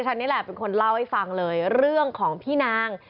นี่แหละเป็นคนเล่าให้ฟังเลยเรื่องของพี่นาง